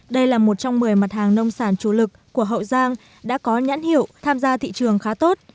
đây là một trong một mươi mặt hàng nông sản chủ lực của hậu giang đã có nhãn hiệu tham gia thị trường khá tốt